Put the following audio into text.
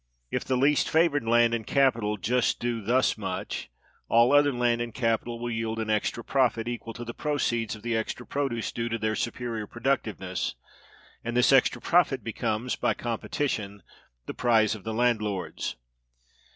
If the least favored land and capital just do thus much, all other land and capital will yield an extra profit, equal to the proceeds of the extra produce due to their superior productiveness; and this extra profit becomes, by competition, the prize of the landlords.